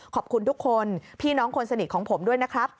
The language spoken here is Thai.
ขอบคุณทุกคนพี่น้องคนสนิทของผมด้วยนะครับ